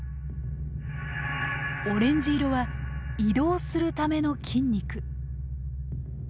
オレンジ色は移動するための筋肉。